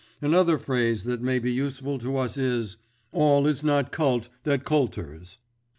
Another phrase that may be useful to us is: 'All is not cult that kulturs.